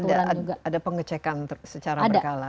dan ini ada pengecekan secara berkala